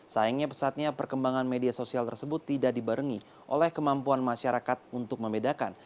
sayangnya pesatnya perkembangan media sosial tersebut tidak dibarengi oleh kemampuan masyarakat untuk membedakan